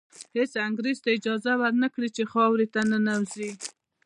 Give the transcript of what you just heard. هېڅ انګریز ته اجازه ور نه کړي چې خاورې ته ننوځي.